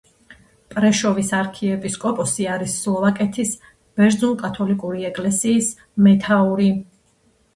პრეშოვის არქიეპისკოპოსი არის სლოვაკეთის ბერძნულ-კათოლიკური ეკლესიის მეთაური.